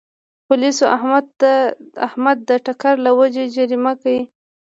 پولیسو احمد د ټکر له وجې جریمه کړ.